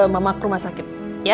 mama ke rumah sakit